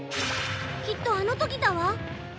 きっとあの時だわ！